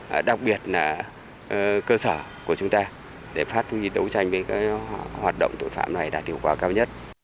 và đặc biệt là cơ sở của chúng ta để phát nghiệp đấu tranh với các hoạt động tội phạm này đã thiếu quả cao nhất